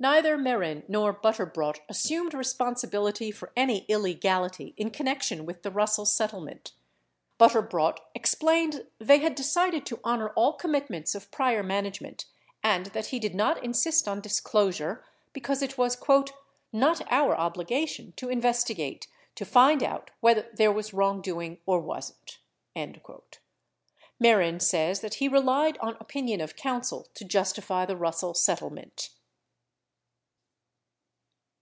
38 Neither Mehren nor Butterbrodt assumed responsibility for any illegality in connection with the Russell settlement. Butterbrodt ex plained they had decided to honor all commitments of prior manage ment and that he did not insist on disclosure because it was "not our obligation to investigate to find out whether there was wrongdoing or wasn't." 37 Mehren says that he relied on opinion of counsel to justify the Russell settlement.